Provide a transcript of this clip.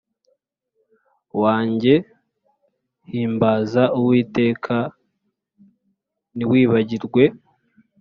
wanjye himbaza uwiteka ntiwibagirwe